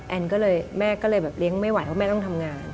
แม่ก็เลยแบบเลี้ยงไม่ไหวเพราะแม่ต้องทำงาน